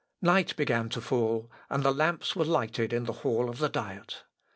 Night began to fall, and the lamps were lighted in the hall of the Diet.